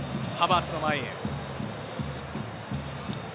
ハバーツの前。